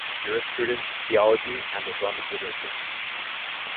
Major course of studies include Jurisprudence, Theology and Islamic Literature.